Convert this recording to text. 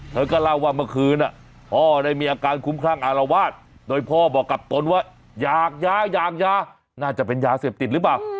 เธอก็เล่าว่าเมื่อคืนพ่อได้มีอาการคุ้มคลั่งอารวาสโดยพ่อบอกกับตนว่าอยากยาอยากยาน่าจะเป็นยาเสพติดหรือเปล่า